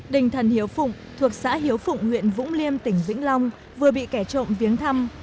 đình thần hiếu phụng thuộc xã hiếu phụng huyện vũng liêm tỉnh vĩnh long vừa bị kẻ trộm viếng thăm